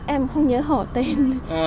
em không nhớ hỏi tên